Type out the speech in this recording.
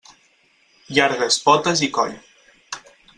Llargues potes i coll.